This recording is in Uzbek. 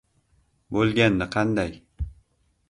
Bo‘lganda qanday!